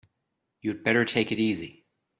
You'd better take it easy.